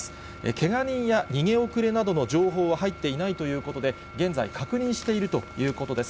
けが人や逃げ遅れなどの情報は入っていないということで、現在、確認しているということです。